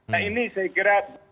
nah ini saya kira